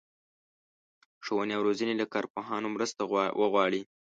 ښوونې او روزنې له کارپوهانو مرسته وغواړي.